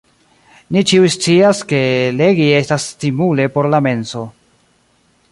Ni ĉiuj scias, ke legi estas stimule por la menso.